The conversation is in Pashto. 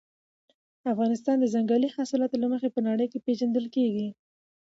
افغانستان د ځنګلي حاصلاتو له مخې په نړۍ کې پېژندل کېږي.